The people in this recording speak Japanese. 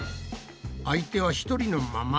相手は１人のまま。